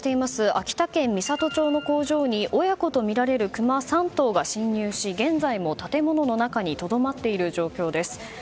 秋田県美郷町の工場に親子とみられるクマ３頭が侵入し、現在も建物の中にとどまっている状況です。